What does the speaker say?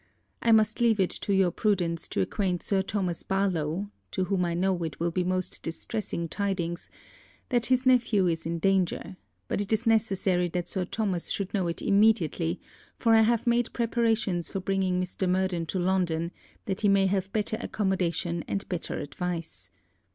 I must leave it to your prudence to acquaint Sir Thomas Barlowe (to whom I know it will be most distressing tidings) that his nephew is in danger, but it is necessary that Sir Thomas should know it immediately, for I have made preparations for bringing Mr. Murden to London, that he may have better accommodation and better advice.